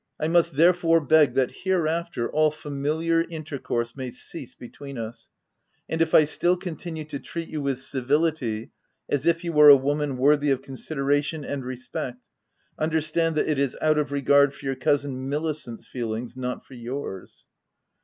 I must, therefore, beg that hereafter, all familiar intercourse may cease between us ; and if I still continue to treat you with civility, as if you were a woman worthy of consideration and respect, understand that it is out of regard for your cousin Milicent's feelings, not for yours."